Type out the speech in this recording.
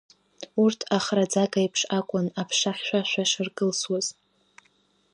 Урҭ ахраӡага еиԥш акәын аԥша хьшәашәа шыркылсуаз.